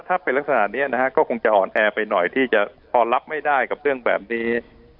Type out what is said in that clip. ถ้าเป็นลักษณะนี้นะฮะก็คงจะอ่อนแอไปหน่อยที่จะพอรับไม่ได้กับเรื่องแบบนี้